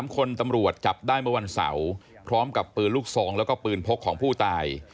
๓คนตำรวจจับได้เมื่อวันเสาร์พร้อมกับปืนลูกซองแล้วก็ปืนพกของผู้ตาย